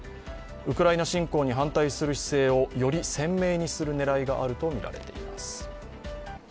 ウクライナ侵攻に反対する姿勢をより鮮明にする狙いがあるとみられています。